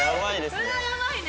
これはやばいね。